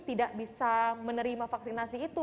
tidak bisa menerima vaksinasi itu